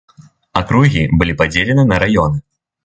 Акругі былі падзелены на раёны.